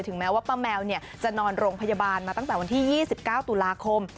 แม้ว่าป้าแมวจะนอนโรงพยาบาลมาตั้งแต่วันที่๒๙ตุลาคม